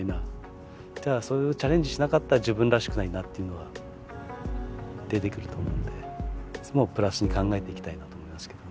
それをチャレンジしなかったら自分らしくないなっていうのは出てくると思うんでいつもプラスに考えていきたいなと思いますけど。